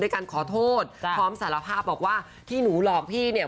การขอโทษพร้อมสารภาพบอกว่าที่หนูหลอกพี่เนี่ย